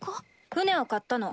船を買ったの。